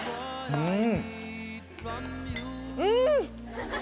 うん！